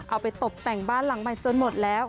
เอาไปตบแต่งบ้านหลังใหม่จนหมดแล้ว